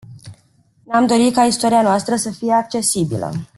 Ne-am dori ca istoria noastră să fie accesibilă.